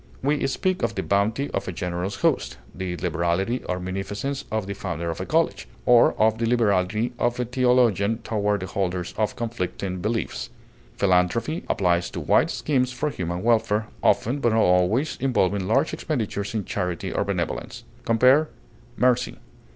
We speak of the bounty of a generous host, the liberality or munificence of the founder of a college, or of the liberality of a theologian toward the holders of conflicting beliefs. Philanthropy applies to wide schemes for human welfare, often, but not always, involving large expenditures in charity or benevolence. Compare MERCY.